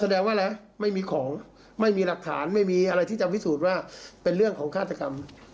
แสดงว่าอะไรไม่มีของไม่มีหลักฐานไม่มีอะไรที่จะพิสูจน์ว่าเป็นเรื่องของฆาตกรรม